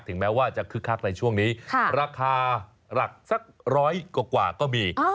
แม้ว่าจะคึกคักในช่วงนี้ราคาหลักสักร้อยกว่าก็มี